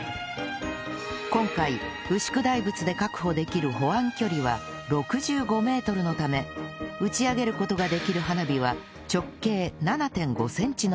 今回牛久大仏で確保できる保安距離は６５メートルのため打ち上げる事ができる花火は直径 ７．５ センチのもの